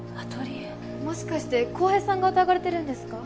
もしかして浩平さんが疑われてるんですか？